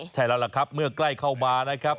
ใช่แล้วล่ะครับเมื่อใกล้เข้ามานะครับ